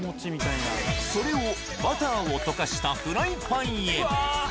それをバターを溶かしたフライパンへ。